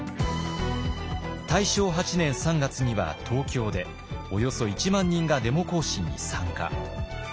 大正８年３月には東京でおよそ１万人がデモ行進に参加。